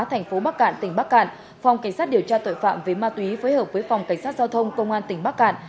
thành phố bắc cạn tỉnh bắc cạn phòng cảnh sát điều tra tội phạm về ma túy phối hợp với phòng cảnh sát giao thông công an tỉnh bắc cạn